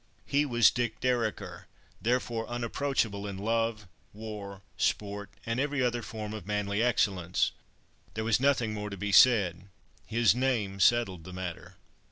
He was "Dick Dereker," therefore unapproachable in love, war, sport, and every other form of manly excellence. There was nothing more to be said. His name settled the matter.